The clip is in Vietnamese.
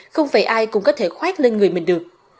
không phải ai cũng có thể khoát lên người mình được